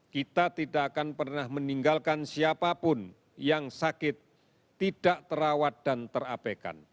kita tidak akan pernah meninggalkan siapapun yang sakit tidak terawat dan terapekan